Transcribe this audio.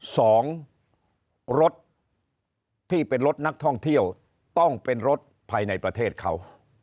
สองรถที่เป็นรถนักท่องเที่ยวต้องเป็นรถภายในประเทศเขา